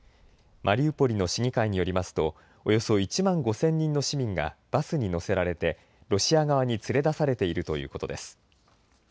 マリウポリの市議会によりますとおよそ１万５０００人の市民がバスに乗せられてロシア側に連れ出されているということです。